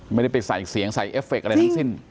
ไม่ได้ไปใส่เสียงใส่เอฟเคอะไรทั้งสิ้น